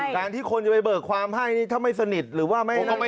การที่คนจะไปเบิกความให้นี่ถ้าไม่สนิทหรือว่าไม่